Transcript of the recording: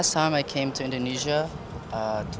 masih ada keluarga di amerika serikat